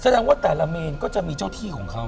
แสดงว่าแต่ละเมนก็จะมีเจ้าที่ของเขา